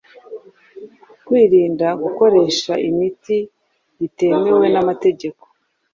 kwirinda gukoresha imiti bitemewe n'amategeko,